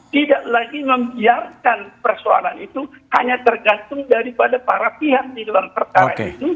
tidak lagi membiarkan persoalan itu hanya tergantung daripada para pihak di dalam perkara itu